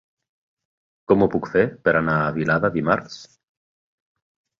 Com ho puc fer per anar a Vilada dimarts?